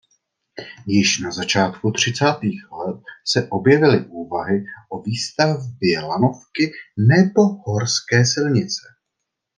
Již na začátku třicátých let se objevily úvahy o výstavbě lanovky nebo horské silnice.